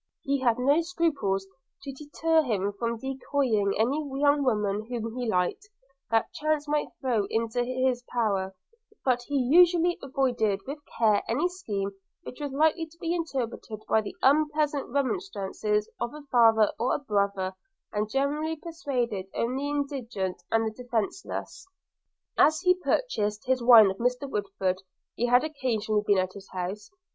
He had no scruples to deter him from decoying any young woman whom he liked, that chance might throw into his power; but he usually avoided with care any scheme which was likely to be interrupted by the unpleasant remonstrances of a father or a brother, and generally pursued only the indigent and the defenceless. As he purchased his wine of Mr Woodford, he had occasionally been at his house.